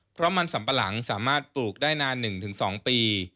เพราะมันสัมปะหลังสามารถปลูกได้นาน๑๒ปี